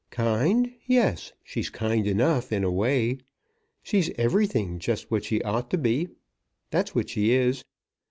"Kind; yes, she's kind enough in a way. She's everything just what she ought to be. That's what she is.